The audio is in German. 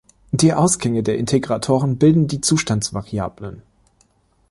Die Ausgänge der Integratoren bilden die Zustandsvariablen.